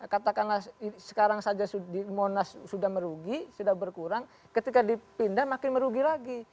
katakanlah sekarang saja di monas sudah merugi sudah berkurang ketika dipindah makin merugi lagi